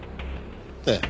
ええ。